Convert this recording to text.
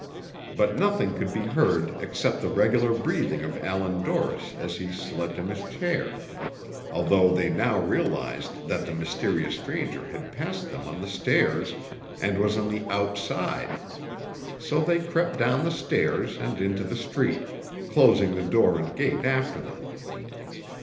But nothing could be heard except the regular breathing of Allan Dorris as he slept in his chair, although they now realized that the mysterious stranger had passed them on the stairs, and was on the outside; so they crept down the stairs, and into the street, closing the door and gate after them.